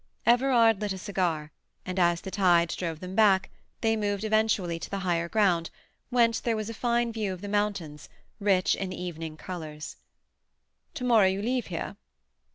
Everard lit a cigar, and, as the tide drove them back, they moved eventually to the higher ground, whence there was a fine view of the mountains, rich in evening colours. "To morrow you leave here?"